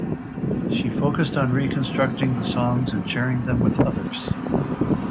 She focused on reconstructing the songs and sharing them with others.